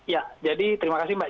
ya jadi terima kasih mbak